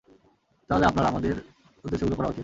তাহলে আপনার আমাদের উদ্দেশ্যগুলো পড়া উচিত।